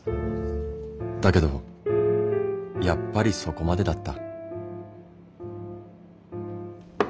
だけどやっぱりそこまでだった。